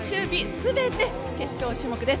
全て決勝種目です。